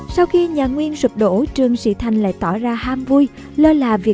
sau khi nhà nguyên sụp đổ trương sĩ thành lại tỏ ra ham vui